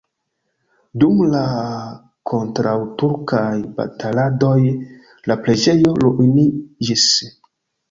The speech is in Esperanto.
Dum la kontraŭturkaj bataladoj la preĝejo ruiniĝis.